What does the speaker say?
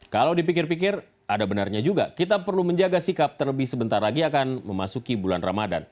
kalau dipikir pikir ada benarnya juga kita perlu menjaga sikap terlebih sebentar lagi akan memasuki bulan ramadan